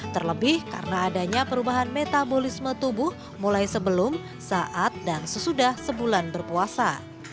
terlebih karena adanya perubahan metabolisme tubuh mulai sebelum saat dan sesudah sebulan berpuasa